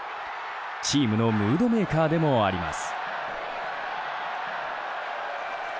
チームのムードメーカーでもあります。